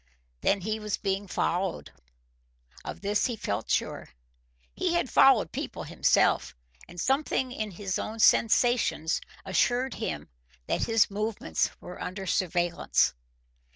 Then he was being followed. Of this he felt sure. He had followed people himself, and something in his own sensations assured him that his movements were under surveillance.